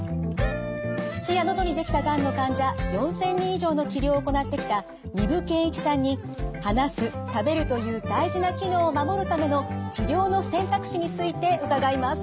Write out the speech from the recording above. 口や喉にできたがんの患者４，０００人以上の治療を行ってきた丹生健一さんに話す食べるという大事な機能を守るための治療の選択肢について伺います。